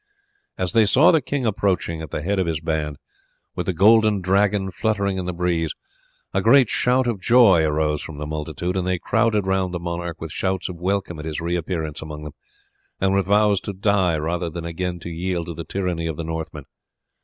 As they saw the king approaching at the head of his band, with the Golden Dragon fluttering in the breeze, a great shout of joy arose from the multitude, and they crowded round the monarch with shouts of welcome at his reappearance among them, and with vows to die rather than again to yield to the tyranny of the Northmen.